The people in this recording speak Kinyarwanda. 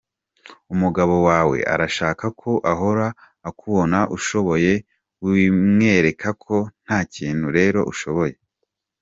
Umugabo wawe arashaka ko ahora akubona ushoboye, wimwereka ko nta kintu rero ushoboye.